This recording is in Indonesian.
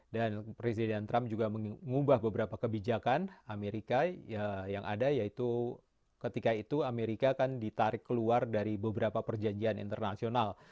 dan presiden trump juga mengubah beberapa kebijakan amerika yang ada yaitu ketika itu amerika kan ditarik keluar dari beberapa perjanjian internasional